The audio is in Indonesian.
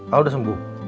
al udah sembuh